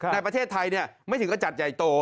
ในประเทศไทยไม่ถึงก็จัดใหญ่โต